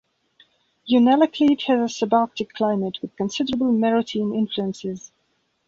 Unalakleet has a subarctic climate with considerable maritime influences.